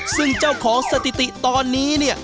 ซึ่งเจ้าของสถิติตอนนี้เนี่ย